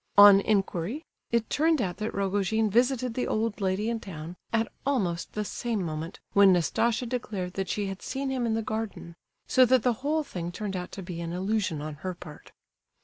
On inquiry, it turned out that Rogojin visited the old lady in town at almost the same moment when Nastasia declared that she had seen him in the garden; so that the whole thing turned out to be an illusion on her part.